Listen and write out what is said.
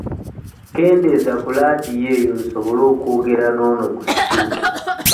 Kendeeza ku Ladiyo eyo nsobole okwogera n'ono ku ssimu.